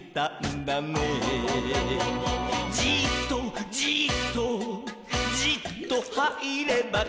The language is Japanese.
「じっとじっとじっとはいればからだの」